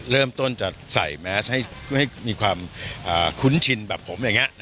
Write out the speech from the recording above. เริ่มต้นจะใส่แมสให้มีความคุ้นชินแบบผมอย่างนี้